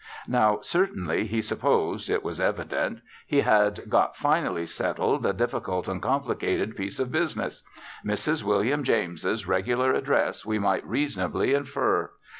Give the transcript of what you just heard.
Now, certainly, he supposed (it was evident) he had got finally settled a difficult and complicated piece of business. Mrs. William James's regular address we might reasonably infer.